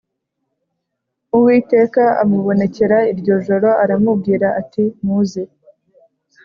Uwiteka amubonekera iryo joro aramubwira ati muze